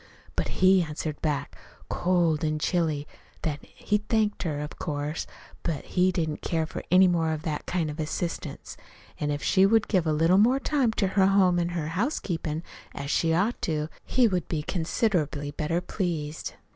But he answered back, cold an' chilly, that he thanked her, of course, but he didn't care for any more of that kind of assistance; an' if she would give a little more time to her home an' her housekeepin', as she ought to, he would be considerably better pleased.